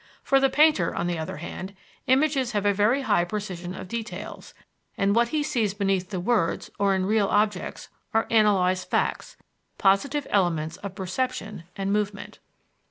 For the painter, on the other hand, images have a very high precision of details, and what he sees beneath the words or in real objects are analyzed facts, positive elements of perception and movement."